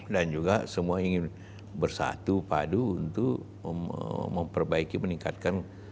dan juga semua yang bersatu padu untuk memperbaiki meningkatkan